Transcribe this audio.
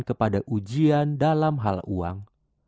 kepada ujian dalam hal uang